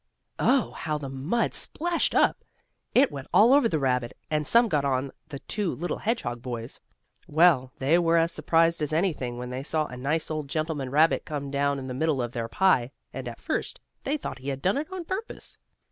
Oh! How the mud splashed up! It went all over the rabbit, and some got on the two little hedgehog boys. Well, they were as surprised as anything when they saw a nice old gentleman rabbit come down in the middle of their pie, and at first they thought he had done it on purpose.